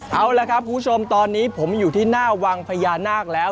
เอาละครับคุณผู้ชมตอนนี้ผมอยู่ที่หน้าวังพญานาคแล้ว